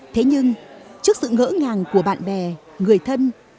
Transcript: thế nhưng trước sự ngỡ ngàng của bạn bè người thân